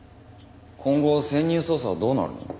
今後潜入捜査はどうなるの？